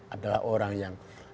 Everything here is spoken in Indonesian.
adalah orang yang